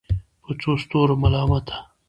په څو ستورو ملامته